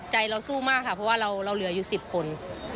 เราสู้มากค่ะเพราะว่าเราเหลืออยู่๑๐คน